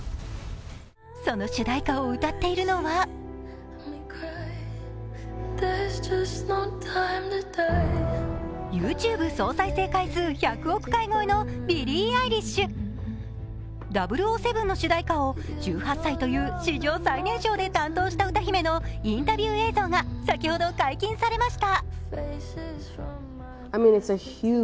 その主題歌を歌っているのはＹｏｕＴｕｂｅ総再生回数１００億回超えのビリー・アイリッシュ「００７」の主題歌を１８歳という史上最年少で担当した歌姫のインタビュー映像が先ほど解禁されました。